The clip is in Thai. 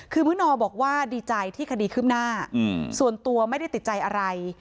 คือมื้อนอบอกว่าดีใจที่คดีขึ้นหน้าส่วนตัวไม่ได้ติดใจอะไร